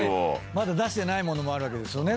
まだ出してないものもあるわけですよね？